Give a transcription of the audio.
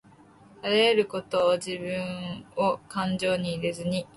あらゆることをじぶんをかんじょうに入れずに